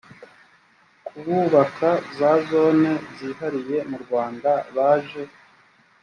ku bubaka za zone zihariye murwanda baje